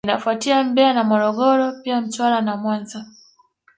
Inafuatia Mbeya na Morogoro pia Mtwara na Mwanza